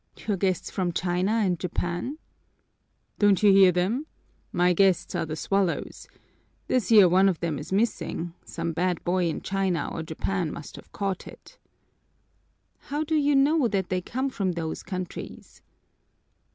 "Your guests from China and Japan?" "Don't you hear them? My guests are the swallows. This year one of them is missing some bad boy in China or Japan must have caught it." "How do you know that they come from those countries?"